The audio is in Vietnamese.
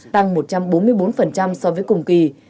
tăng một trăm bốn mươi bốn so với cùng kỳ